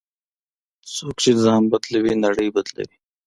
څوک چې ځان بدلوي، نړۍ بدلوي.